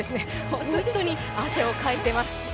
本当に汗をかいてます。